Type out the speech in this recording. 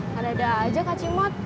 kadada aja kak cimut